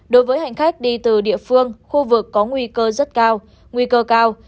đối với hành khách đi từ địa phương khu vực có nguy cơ rất cao nguy cơ cao